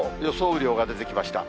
雨量が出てきました。